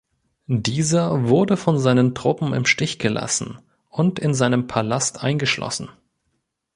Dieser wurde von seinen Truppen im Stich gelassen und in seinem Palast eingeschlossen.